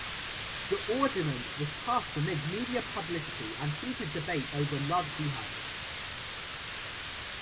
The ordinance was passed amid media publicity and heated debate over love jihad.